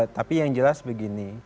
tapi yang jelas begini